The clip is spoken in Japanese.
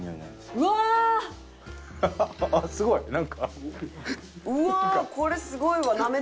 うわっすごいな。